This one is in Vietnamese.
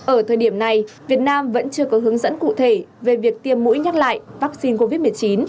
ở thời điểm này việt nam vẫn chưa có hướng dẫn cụ thể về việc tiêm mũi nhắc lại vaccine covid một mươi chín